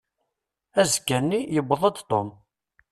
Azekka-nni, yewweḍ-d Tom.